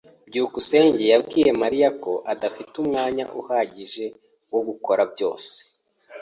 byukusenge yabwiye Mariya ko adafite umwanya uhagije wo gukora byose.